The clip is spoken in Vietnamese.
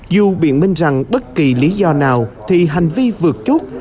dù biện minh rằng bất kỳ lý do nào thì hành vi vượt chốt